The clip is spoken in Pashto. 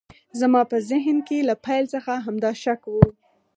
زما په ذهن کې له پیل څخه همدا شک و